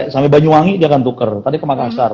sampai banyuwangi dia akan tuker tadi ke makassar